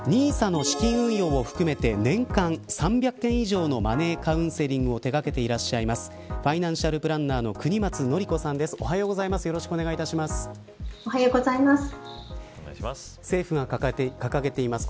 ＮＩＳＡの資金運用を含めて年間３００件以上のマネーカウンセリングを手掛けていらっしゃいますファイナンシャルプランナーの國松典子さんです、おはようございます。